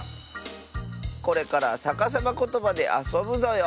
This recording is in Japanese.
これからさかさまことばであそぶぞよ。